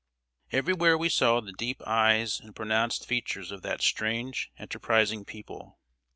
Everywhere we saw the deep eyes and pronounced features of that strange, enterprising people.